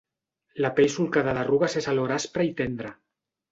La pell solcada d'arrugues és alhora aspra i tendra.